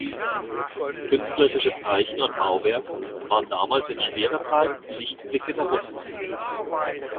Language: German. Künstlerische Zeichen an Bauwerken waren damals in schwerer Zeit Lichtblicke der Hoffnung.